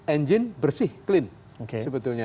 engine bersih clean sebetulnya